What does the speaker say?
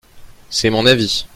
C'est mon avis.